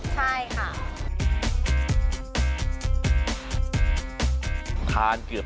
ไม่รอชาติเดี๋ยวเราลงไปพิสูจน์ความอร่อยกันครับ